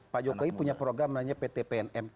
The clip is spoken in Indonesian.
pak jokowi punya program namanya pt pnm